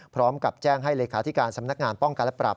พร้อมกับแจ้งให้เลขาธิการสำนักงานป้องกันและปรับ